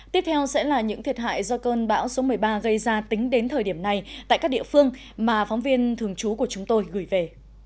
tiếp theo sẽ là những thiệt hại do cơn bão số một mươi ba gây ra tính đến thời điểm này tại các địa phương mà phóng viên thường trú của chúng tôi gửi về